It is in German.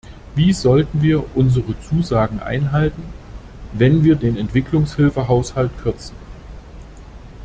Wie sollen wir unsere Zusagen einhalten, wenn wir den Entwicklungshilfehaushalt kürzen?